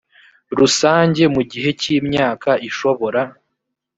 rusange mu gihe cy imyaka ishobora